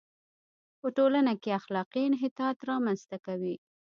په ټولنه کې اخلاقي انحطاط را منځ ته کوي.